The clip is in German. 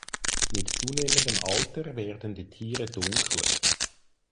Mit zunehmendem Alter werden die Tiere dunkler.